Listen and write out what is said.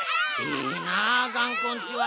いいなあがんこんちは。